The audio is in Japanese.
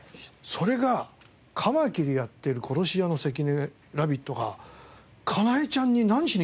それがカマキリやってる殺し屋の関根ラビットがかなえちゃんに何しに来たんだ？